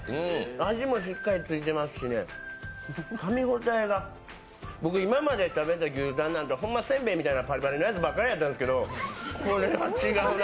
味もしっかりついてますしかみ応えが、僕、今まで食べた牛タンなんてほんませんべいみたいなペラペラなのばっかりだったんですけどこれは違うな。